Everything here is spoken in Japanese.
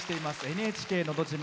「ＮＨＫのど自慢」。